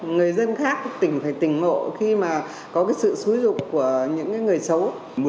người dân khác phải tỉnh mộ khi mà có sự xúi dục của những người xấu